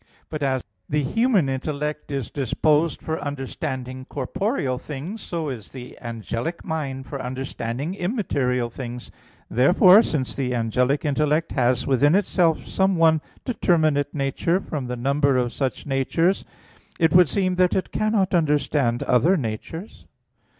But as the human intellect is disposed for understanding corporeal things, so is the angelic mind for understanding immaterial things. Therefore, since the angelic intellect has within itself some one determinate nature from the number of such natures, it would seem that it cannot understand other natures.